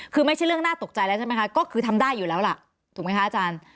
คือไม่ใช่เรื่องน่าตกใจแล้วใช่ไหมคะก็คือทำได้อยู่แล้วล่ะถูกไหมคะอาจารย์